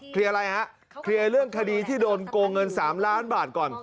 อะไรฮะเคลียร์เรื่องคดีที่โดนโกงเงิน๓ล้านบาทก่อน